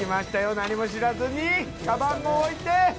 何も知らずにカバンを置いて。